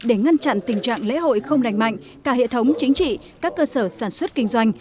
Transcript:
để ngăn chặn tình trạng lễ hội không lành mạnh cả hệ thống chính trị các cơ sở sản xuất kinh doanh